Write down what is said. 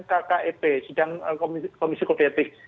kep sidang komisi kodeatik